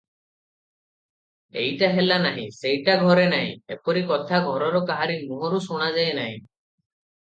ଏଇଟା ହେଲା ନାହିଁ, ସେଇଟା ଘରେ ନାହିଁ, ଏପରି କଥା ଘରର କାହାରି ମୁହଁରୁ ଶୁଣାଯାଏ ନାହିଁ ।